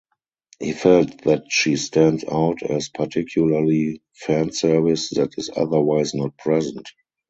He felt that she stands out as particularly fanservice that is otherwise not present.